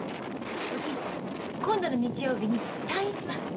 おじいちゃん今度の日曜日に退院します。